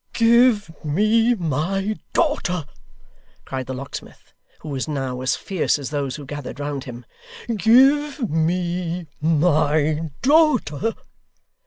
'Give me my daughter!' cried the locksmith, who was now as fierce as those who gathered round him: 'Give me my daughter!